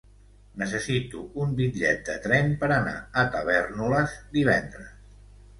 Necessito un bitllet de tren per anar a Tavèrnoles divendres.